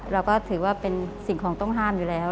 เราก็ถือว่าเป็นสิ่งของต้องห้ามอยู่แล้ว